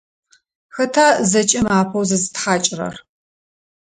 Хэта зэкӏэм апэу зызытхьакӏырэр?